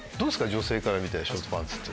女性から見てショートパンツって。